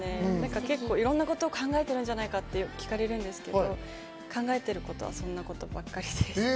結構いろんなことを考えてるんじゃないかって聞かれるんですけど、考えてることはそんなことばっかりです。